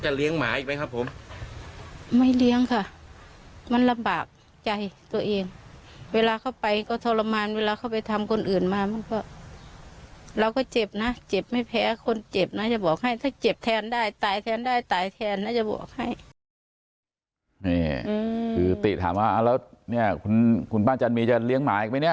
นี่คือปริตถามค่ะแล้วเนี่ยคุณบ้านจันมียจะเลี้ยงหมาอีกไหมเนี่ย